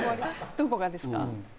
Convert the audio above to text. どこがですか？